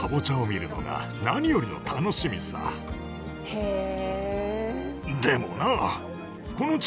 へえ。